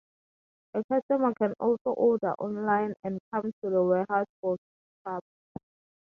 A customer can also order online and come to the warehouse for pickup.